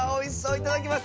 いただきます。